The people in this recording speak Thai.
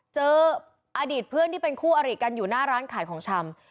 เจออดีตเพื่อนที่เป็นคู่อริกันอยู่หน้าร้านขายของชำ